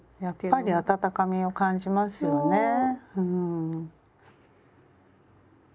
やっぱり温かみを感じますよね。